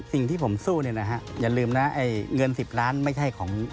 สิ่งที่ผมสู้เนี่ยนะฮะอย่าลืมนะไอ้เงิน๑๐ล้านไม่ใช่ของ